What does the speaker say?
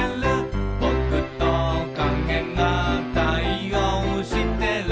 「ぼくと影が対応してる」